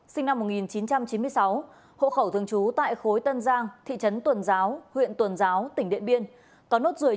xin chào tạm biệt và hẹn gặp lại